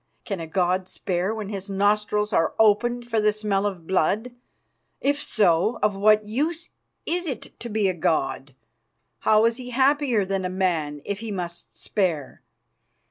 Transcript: Can a god spare when his nostrils are opened for the smell of blood? If so, of what use is it to be a god? How is he happier than a man if he must spare?